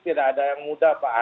tidak ada yang mudah pak